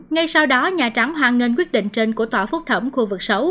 ngay sau đó nhà trắng hoan nghênh quyết định trên của tòa phúc thẩm khu vực sáu